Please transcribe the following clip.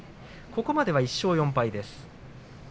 ここまでは１勝４敗です。